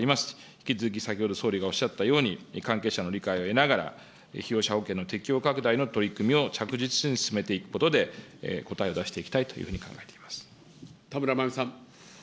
引き続き先ほど、総理がおっしゃったように、関係者の理解を得ながら、被用者保険の適用拡大の取り組みを着実に進めていくことで、答えを出していきたいというふう田村まみさん。